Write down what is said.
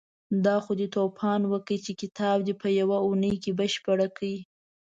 دا خو دې توپان وکړ چې کتاب دې په يوه اونۍ کې بشپړ کړ.